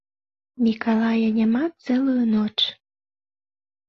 Мікалая няма цэлую ноч.